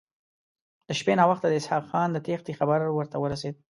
د شپې ناوخته د اسحق خان د تېښتې خبر ورته ورسېد.